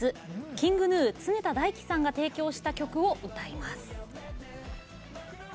ＫｉｎｇＧｎｕ常田大希さんが提供した曲を歌います